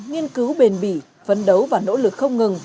nghiên cứu bền bỉ phấn đấu và nỗ lực không ngừng